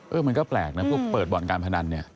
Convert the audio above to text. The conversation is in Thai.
มันก็แปลกนะพวกเปิดบ่อนการพนันเนี่ย